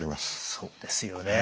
そうですよね。